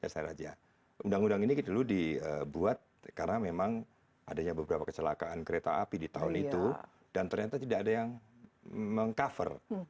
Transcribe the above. saya rasa undang undang ini dulu dibuat karena memang adanya beberapa kecelakaan kereta api di tahun itu dan ternyata tidak ada yang meng cover